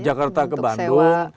jakarta ke bandung